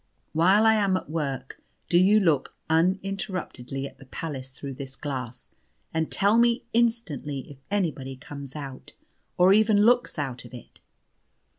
While I am at work, do you look uninterruptedly at the palace through this glass, and tell me instantly if anybody comes out, or even looks out of it."